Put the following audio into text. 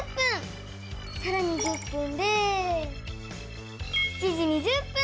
さらに１０分で７時２０分！